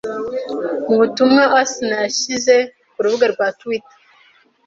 Mu butumwa Asinah yashyize ku rubuga rwa Twitter